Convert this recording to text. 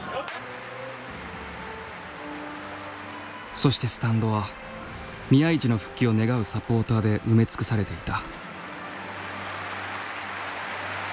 そしてスタンドは宮市の復帰を願うサポーターで埋め尽くされていた。